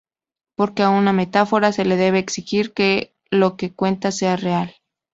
Porque a una metáfora se le debe exigir que lo que cuente sea real.